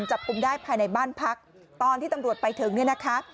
จับกลุ่มได้ภายในบ้านพักตอนที่ตำรวจไปถึงเนี่ยนะคะ